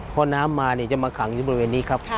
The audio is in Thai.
เพราะน้ำมาจะมาขังอยู่บริเวณนี้ครับ